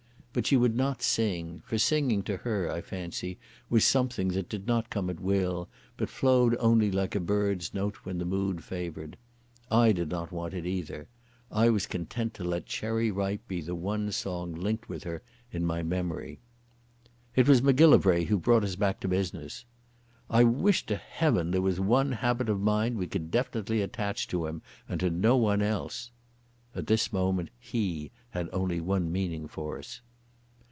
But she would not sing, for singing to her, I fancy, was something that did not come at will, but flowed only like a bird's note when the mood favoured. I did not want it either. I was content to let "Cherry Ripe" be the one song linked with her in my memory. It was Macgillivray who brought us back to business. "I wish to Heaven there was one habit of mind we could definitely attach to him and to no one else." (At this moment "He" had only one meaning for us.)